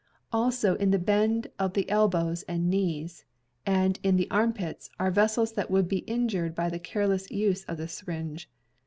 Also in the bend of the elbows and knees and in the armpits are vessels that would be injured by the careless use of the syringe.